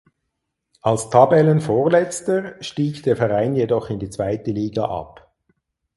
Als Tabellenvorletzter stieg der Verein jedoch in die zweite Liga ab.